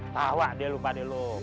tawa deh lu pak deh lu